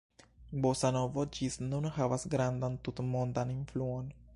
Bosanovo ĝis nun havas grandan tutmondan influon.